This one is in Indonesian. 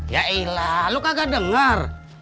yaelah lo kagak dengar